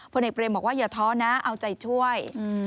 ผลเอกเบรมบอกว่าอย่าท้อนะเอาใจช่วย